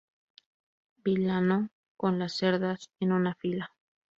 Vilano con las cerdas, en una fila.